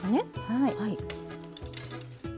はい。